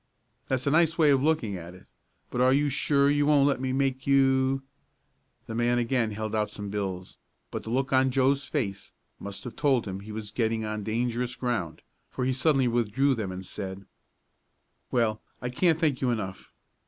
"That's a nice way of looking at it. But are you sure you won't let me make you " The man again held out some bills, but the look on Joe's face must have told him he was getting on dangerous ground, for he suddenly withdrew them and said: "Well, I can't thank you enough.